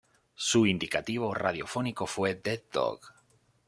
Su indicativo radiofónico fue "Dead Dog".